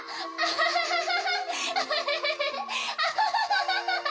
ハハハハ！